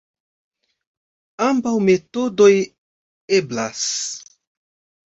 Ambaŭ metodoj eblas.